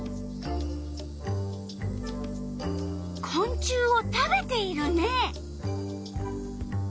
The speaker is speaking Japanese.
こん虫を食べているね。